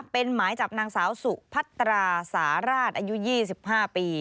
เป็นหมายจับนางสาวสุพัตราสาราสอายุ๒๕ปี